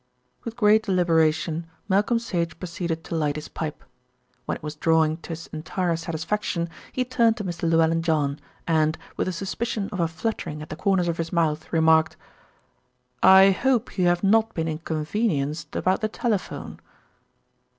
With great deliberation Malcolm Sage proceeded to light his pipe. When it was drawing to his entire satisfaction, he turned to Mr. Llewellyn John and, with the suspicion of a fluttering at the corners of his mouth, remarked: "I hope you have not been inconvenienced about the telephone."